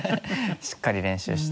しっかり練習して。